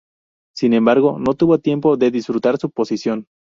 Sin embargo, no tuvo tiempo de disfrutar su posición.